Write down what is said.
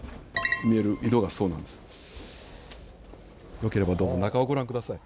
よければどうぞ中をご覧下さい。